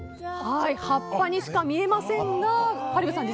葉っぱにしか見えませんが香里武さん